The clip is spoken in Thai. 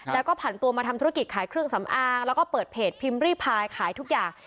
แล้วก็ผ่านตัวมาทำธุรกิจขายเครื่องสำอางแล้วก็เปิดเพจพิมพ์รีพายขายทุกอย่าง